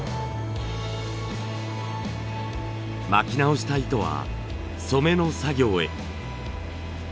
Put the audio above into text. まき直した糸は染めの作業へ。